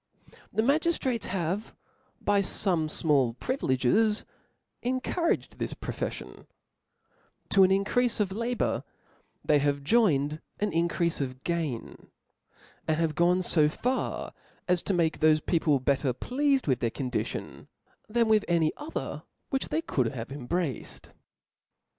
The itiagiftrates have, by fome ftnall privileges, encouraged this profeflion , to an in creafe of labour, they have joined an increafe o^ gain \ and have gone fo far as to make tho& peo ple better pleafed with their condition, than with any other which they could have embraced..